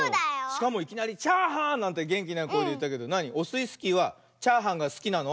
しかもいきなり「チャーハン！」なんてげんきなこえでいってたけどなにオスイスキーはチャーハンがすきなの？